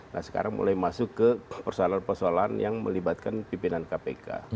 nah sekarang mulai masuk ke persoalan persoalan yang melibatkan pimpinan kpk